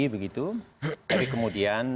begitu tapi kemudian